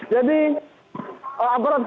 jadi aparat keamanan mencoba membukul mundur